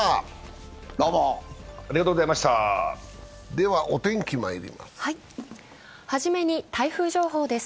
ではお天気まいります。